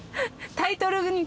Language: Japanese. タイトルに。